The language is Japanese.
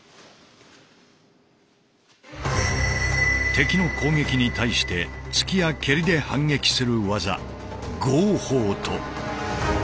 敵の攻撃に対して突きや蹴りで反撃する技剛法と。